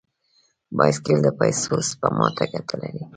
بایسکل د پیسو سپما ته ګټه لري.